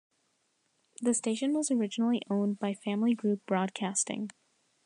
The station was originally owned by Family Group Broadcasting.